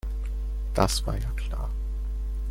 Das war ja klar.